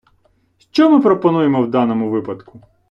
Що ми пропонуємо в даному випадку?